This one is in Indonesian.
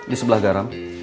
di sebelah garam